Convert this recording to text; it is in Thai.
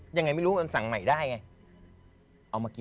ยังไงไม่รู้มันสั่งไหนได้ไง